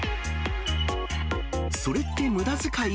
それってむだづかい？